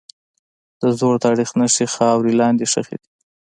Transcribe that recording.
د زوړ تاریخ نښې خاورې لاندې ښخي دي.